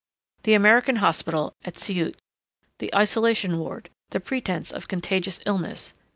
The American hospital at Siut. The isolation ward the pretense of contagious illness.